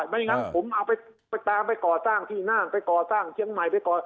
ไม่งั้นผมเอาไปตามไปก่อสร้างที่น่านไปก่อสร้างเชียงใหม่ไปก่อน